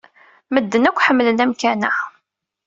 Medden akk ḥemmlen amkan-a.